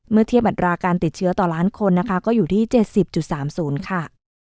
เมื่อเทียบอัตราการติดเชื้อต่อล้านคนนะคะก็อยู่ที่๗๐๓๐ค่ะ